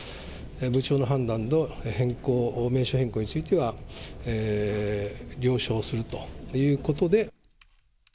部長の判断の変更、名称変更については、了承するということで。